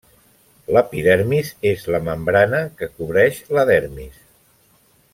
L'epidermis és la membrana que cobreix la dermis.